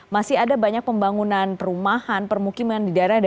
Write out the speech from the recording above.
masih ada banyak pembangunan perumahan permukiman di daerah daerah